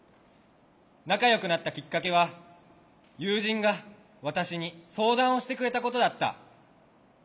仲よくなったきっかけは友人が私に相談をしてくれたことだった。